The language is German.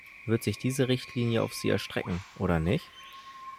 Wird sich diese Richtlinie auf sie erstrecken oder nicht?